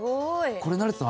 これ成田さん